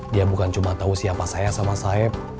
dia bukan cuma tau siapa saya sama saeb